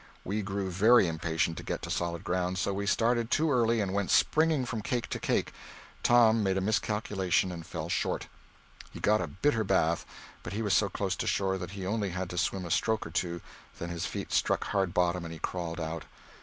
We grew very impatient to get to solid ground, so we started too early and went springing from cake to cake. Tom made a miscalculation, and fell short. He got a bitter bath, but he was so close to shore that he only had to swim a stroke or two then his feet struck hard bottom and he crawled out.